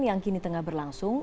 yang kini tengah berlangsung